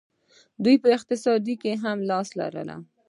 دوی په اقتصاد کې هم لاس لري.